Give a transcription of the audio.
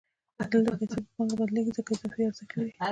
دلته پیسې په پانګه بدلېږي ځکه اضافي ارزښت لري